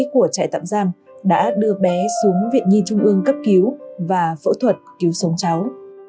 của trại tạm giam đã đưa bé xuống viện nhi trung ương cấp cứu và phẫu thuật cứu sống cháu